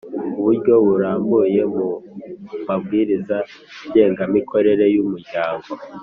Uburyo burambuye mu mabwiriza ngengamikorere y umuryango